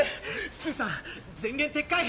スーさん前言撤回！